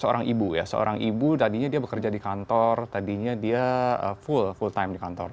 seorang ibu ya seorang ibu tadinya dia bekerja di kantor tadinya dia full full time di kantor